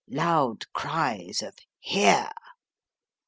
(Loud cries of " Hear